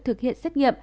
thực hiện xét nghiệm